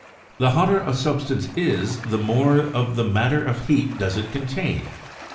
The hotter a substance is the more of the mat ter of heat does it contain.